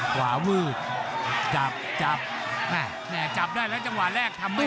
ขวาวืดจับอ่ะแน่จับได้แล้วแรกจังหวะทำไม่ได้